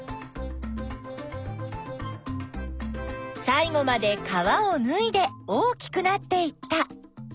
さい後まで皮をぬいで大きくなっていった。